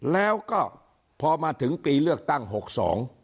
แล้วก็พอมาถึงปีเลือกตั้งหกสอง